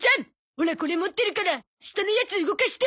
オラこれ持ってるから下のやつ動かして！